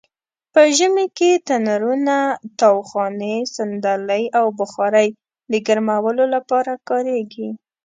په ژمې کې تنرونه؛ تاوخانې؛ صندلۍ او بخارۍ د ګرمولو لپاره کاریږي.